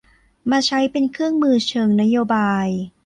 มาใช้เป็นเครื่องมือเชิงนโยบาย